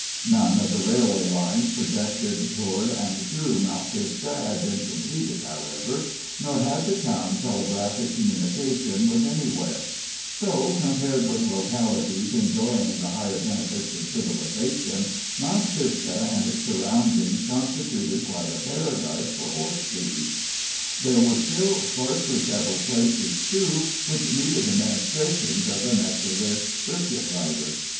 None of the railway lines projected toward and through Mount Pisgah had been completed, however, nor had the town telegraphic communication with anywhere; so, compared with localities enjoying the higher benefits of civilization, Mount Pisgah and its surroundings constituted quite a paradise for horse thieves. There were still sparsely settled places, too, which needed the ministrations of the Methodist circuit rider.